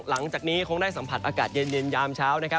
หลังจากนี้คงได้สัมผัสอากาศเย็นยามเช้านะครับ